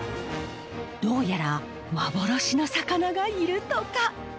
どうやら幻の魚がいるとか。